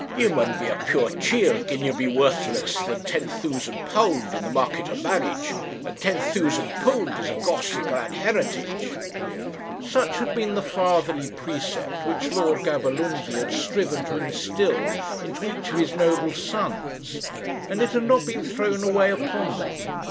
'Ye maun be a puir chiel, gin ye'll be worth less than ten thoosand pound in the market o' marriage; and ten thoosand pound is a gawcey grand heritage!' Such had been the fatherly precept which Lord Gaberlunzie had striven to instil into each of his noble sons; and it had not been thrown away upon them.